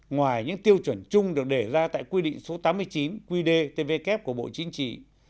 ngoài những tiêu chuẩn chung được đề ra tại quy định số tám mươi chín qd tvk của bộ chính trị